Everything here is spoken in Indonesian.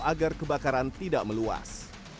agar kebakaran tidak meluas